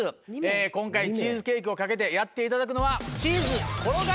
今回チーズケーキを懸けてやっていただくのは。